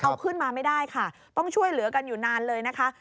เอาขึ้นมาไม่ได้ค่ะต้องช่วยเหลือกันอยู่นานเลยนะคะ